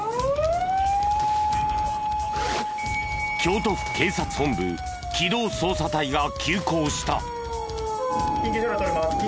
京都府警察本部機動捜査隊が急行した。